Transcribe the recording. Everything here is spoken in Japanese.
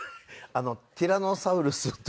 ティラノサウルスとか。